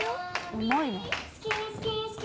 うまいな。